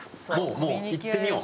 もう行ってみよう。